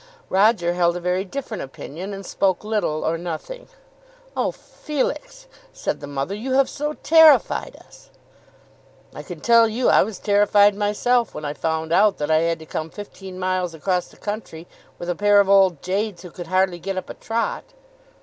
Roger held a very different opinion, and spoke little or nothing. "Oh, Felix," said the mother, "you have so terrified us!" "I can tell you I was terrified myself when I found that I had to come fifteen miles across the country with a pair of old jades who could hardly get up a trot."